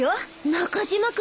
中島君